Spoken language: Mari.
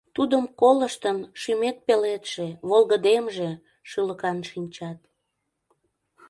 Тудым колыштын, шӱмет пеледше, Волгыдемже шӱлыкан шинчат.